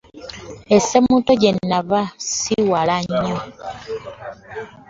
E Ssemuto gye nava si wala nnyo.